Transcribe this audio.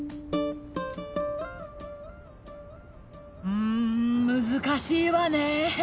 うーん難しいわねえ。